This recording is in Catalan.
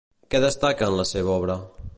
Què destaca en la seva obra?